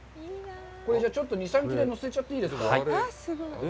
これ、じゃあ、ちょっと２３切れ、のせちゃっていいですか。